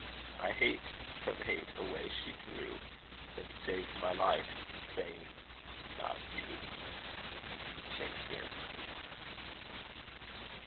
"I hate" from hate away she threw, And saved my life, saying "Not you." SHAKSPERE.